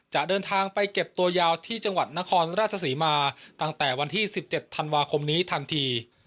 จะเดินทางไปเก็บตัวยาวที่จังหวัดนครราชศรีมาตั้งแต่วันที่๑๗ธันวาคมนี้ทันที